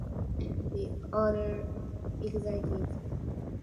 The order exists in each country under different jurisdictions.